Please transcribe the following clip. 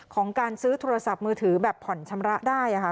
การซื้อโทรศัพท์มือถือแบบผ่อนชำระได้ค่ะ